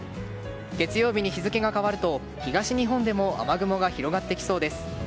月曜日に日付が変わると東日本でも雨雲が広がってきそうです。